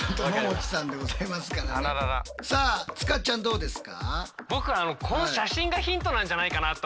さあ塚ちゃんどうですか？